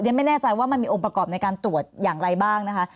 ไม่แน่ใจว่ามันมีองค์ประกอบในการตรวจอย่างไรบ้างนะคะ